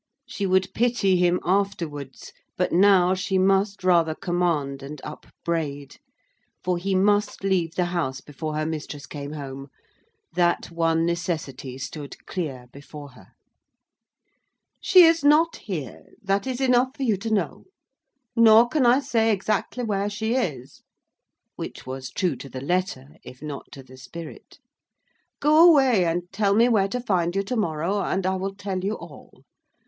She would pity him afterwards; but now she must rather command and upbraid; for he must leave the house before her mistress came home. That one necessity stood clear before her. "She is not here; that is enough for you to know. Nor can I say exactly where she is" (which was true to the letter if not to the spirit). "Go away, and tell me where to find you to morrow, and I will tell you all.